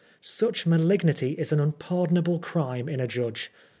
Such malignity is an un pardonable crime in a judge.